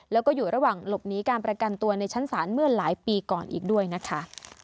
แล้วก็อยู่ระหว่างหลบหนีการประกันตัวในชั้นศาลเมื่อหลายปีก่อนอีกด้วยนะคะ